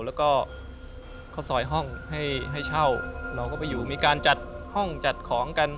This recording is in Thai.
แล้วก็ข้าวซอยห้องให้ให้เช่าเราก็ไปอยู่มีการจัดห้องจัดของกัน